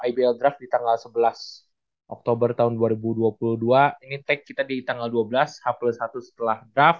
ibl draft di tanggal sebelas oktober tahun dua ribu dua puluh dua ini take kita di tanggal dua belas h plus satu setelah draft